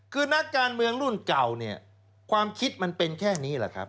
คือนักการเมืองรุ่นเก่าเนี่ยความคิดมันเป็นแค่นี้แหละครับ